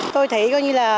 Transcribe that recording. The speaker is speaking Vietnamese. tôi thấy coi như là